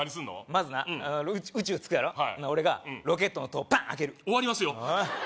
まずな宇宙着くやろ俺がロケットの戸バン開ける終わりますよ